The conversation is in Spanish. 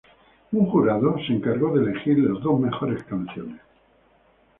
Un jurado se encargó de elegir las dos mejores canciones.